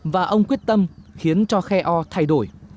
và ông quyết tâm khiến cho kheo thay đổi